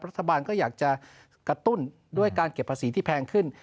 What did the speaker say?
รัฐบาลก็อยากจะกระตุ้นด้วยการเก็บภาษีที่แพงขึ้น